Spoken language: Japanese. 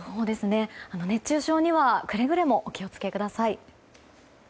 熱中症にはくれぐれもお気をつけください。